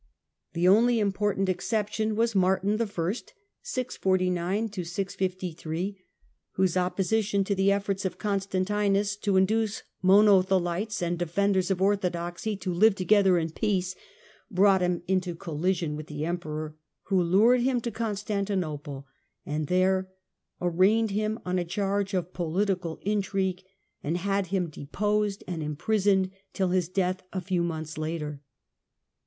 The only important exception was Martin I. LOMBARDS IN ITALY AND RISE OF THE PAPACY 93 $49 653), whose opposition to the efforts of Constan iinus to induce Monothelites and defenders of orthodoxy x> live together in peace brought him into collision mth the Emperor, who lured him to Constantinople, ind there arraigned him on a charge of political intrigue, ind had him deposed and imprisoned till his death a few aionths later.